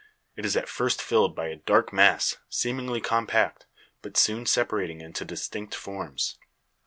It is at first filled by a dark mass, seemingly compact, but soon separating into distinct forms.